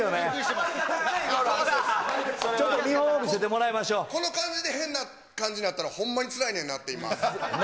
ちょっと見本を見せてもらいこの感じで、変な感じになったら、ほんまにつらいねんなって、今。